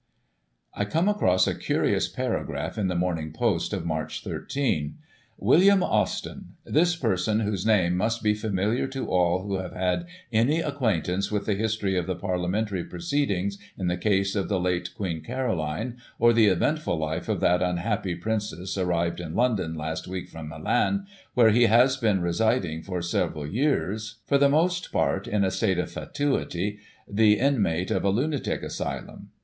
I come across a curious paragraph in the Morning Post of March 13: " WILLIAM AUSTIN. — This person, whose name must be familiar to all who have had any acquaintance with the history of the Parliamentary proceedings in the case of the late Queen Caroline, or the eventful life of that unhappy Princess, arrived in London, last week, from Milan, where he has been residing for several years, for the most part, in a state of fatuity, the inmate of a lunatic asylmn.